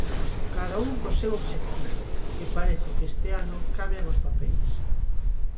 Cada un co seu obxectivo, e parece que este ano cambian os papeis.